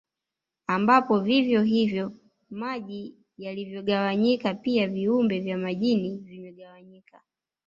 Ambapo vivyo hivyo maji yalivyogawanyika pia viumbe vya majini vimegawanyika